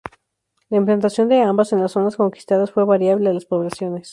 La implantación de ambas en las zonas conquistadas fue variable a las poblaciones.